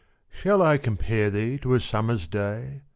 Shall I compare thee to a summer's day?